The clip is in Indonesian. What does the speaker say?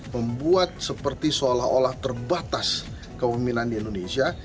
membuat seperti seolah olah terbatas kepemimpinan di indonesia